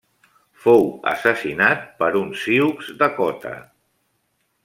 Fou assassinat per un sioux dakota.